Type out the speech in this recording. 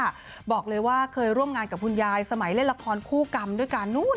บอกเลยว่าเคยร่วมงานกับคุณยายสมัยเล่นละครคู่กรรมด้วยกันนู้น